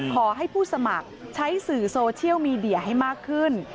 ขอให้ผู้สมัครใช้สื่อโซเชียลมีเดียให้มากขึ้น